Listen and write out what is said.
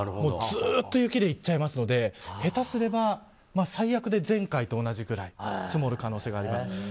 ずっと雪でいっちゃいますので下手すれば最悪で前回と同じくらい積もる可能性があります。